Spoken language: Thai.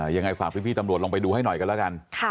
ยังไงฝากพี่ตำรวจลองไปดูให้หน่อยกันแล้วกัน